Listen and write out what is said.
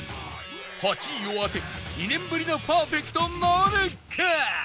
８位を当て２年ぶりのパーフェクトなるか！？